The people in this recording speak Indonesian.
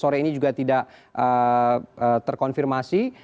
sore ini juga tidak terkonfirmasi